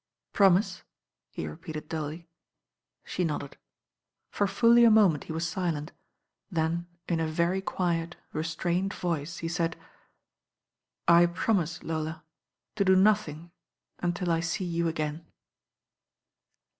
"Promise," he repeated dully. She nodded. For fully a moment he was silent, then in a very quiet, restrained voice he said, "I promise, Lola, to do nothing imtil I see you again."